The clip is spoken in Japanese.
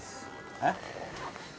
えっ？